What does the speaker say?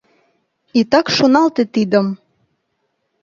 Итак шоналте тидым!